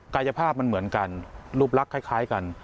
กายภาพมันเหมือนกันรูปลักษณ์คล้ายกัน